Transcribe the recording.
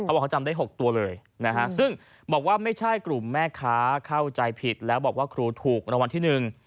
บอกเขาจำได้๖ตัวเลยนะฮะซึ่งบอกว่าไม่ใช่กลุ่มแม่ค้าเข้าใจผิดแล้วบอกว่าครูถูกรางวัลที่หนึ่ง